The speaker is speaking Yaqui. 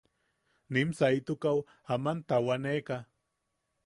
Nim saitukaʼu aman tawaneʼeka.